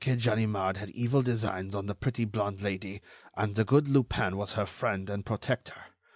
Now, the wicked Ganimard had evil designs on the pretty blonde Lady, and the good Lupin was her friend and protector.